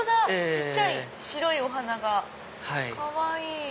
小っちゃい白いお花がかわいい！